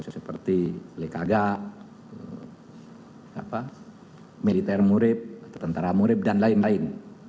seperti lekaga militer murib tentara murib dan lain lain